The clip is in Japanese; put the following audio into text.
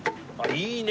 いいね！